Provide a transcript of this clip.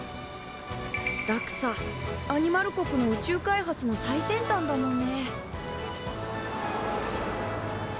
ＤＡＸＡアニマル国の宇宙開発の最先端だもんね。